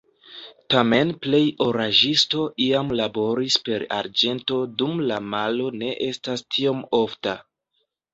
Tamen plej oraĵisto iam laboris per arĝento dum la malo ne estas tiom ofta.